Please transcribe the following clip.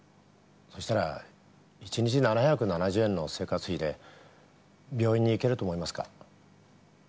そうしたら１日７７０円の生活費で病院に行けると思いますか？